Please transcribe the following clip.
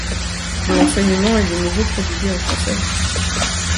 L'enseignement est de nouveau prodigué en français.